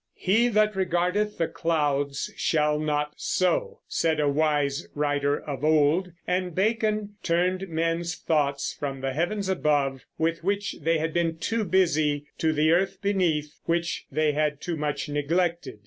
"He that regardeth the clouds shall not sow," said a wise writer of old; and Bacon turned men's thoughts from the heavens above, with which they had been too busy, to the earth beneath, which they had too much neglected.